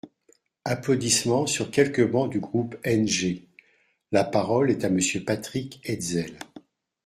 (Applaudissements sur quelques bancs du groupe NG.) La parole est à Monsieur Patrick Hetzel.